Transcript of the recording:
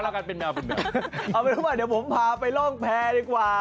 เอาไปทั่วมาเดี๋ยวผมพาไปล่องแพ้ดีกว่า